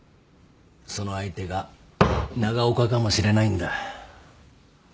その相手が長岡かもしれないんだ。